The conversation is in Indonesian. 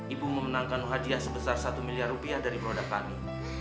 ibu memenangkan hadiah sebesar satu miliar rupiah dari produk kami